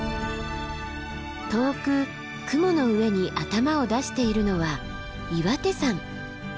遠く雲の上に頭を出しているのは岩手山。